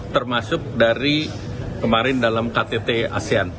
termasuk dari kemarin dalam ktt asean